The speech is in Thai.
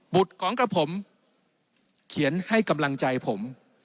ของกระผมเขียนให้กำลังใจผม